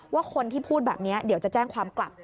ว่าคนที่พูดแบบนี้เดี๋ยวจะแจ้งความกลับ